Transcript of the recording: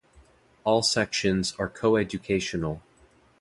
All sections are coeducational.